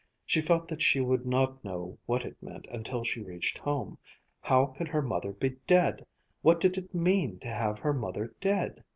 She felt that she would not know what it meant until she reached home. How could her mother be dead? What did it mean to have her mother dead?